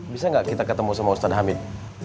bisa nggak kita ketemu sama ustadz hamid